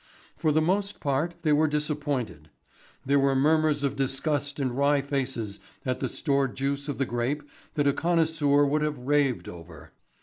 For the most part they were disappointed. There were murmurs of disgust and wry faces at the stored juice of the grape that a connoisseur would have raved over.